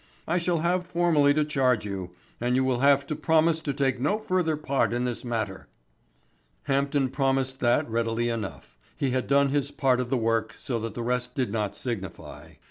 "I shall have formally to charge you, and you will have to promise to take no further part in this matter." Hampden promised that readily enough. He had done his part of the work so that the rest did not signify.